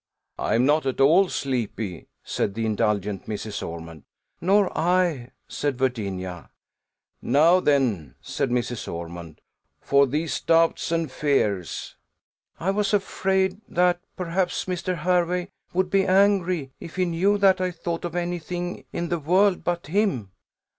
"I am not at all sleepy," said the indulgent Mrs. Ormond. "Nor I," said Virginia, "Now, then," said Mrs. Ormond, "for these doubts and fears." "I was afraid that, perhaps, Mr. Hervey would be angry if he knew that I thought of any thing in the world but him."